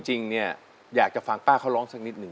จริงเนี่ยอยากจะฟังป้าเขาร้องสักนิดหนึ่ง